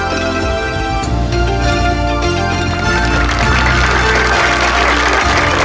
โชว์สี่ภาคจากอัลคาซ่าครับ